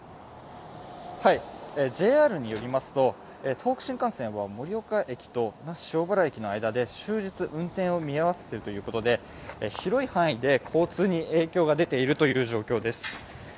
ＪＲによりますと、東北新幹線は盛岡駅と那須塩原駅の間で終日運転を見合わせてるということで広い範囲で交通に影響が出ているという状況です。